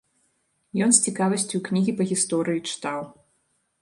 Ён з цікавасцю кнігі па гісторыі чытаў.